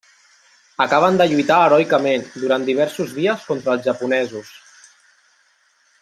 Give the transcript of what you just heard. Acaben de lluitar heroicament, durant diversos dies contra els japonesos.